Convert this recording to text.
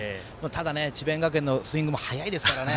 ただ、智弁学園のスイングも速いですからね。